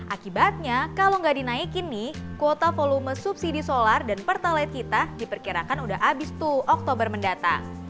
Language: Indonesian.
akibatnya kalau nggak dinaikin nih kuota volume subsidi solar dan pertalite kita diperkirakan udah habis tuh oktober mendatang